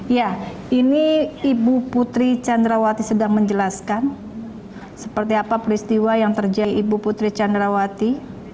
ya ini ibu putri candrawati sedang menjelaskan seperti apa peristiwa yang terjadi ibu putri candrawati